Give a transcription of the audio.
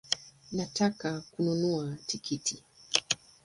Nataka kununua tikiti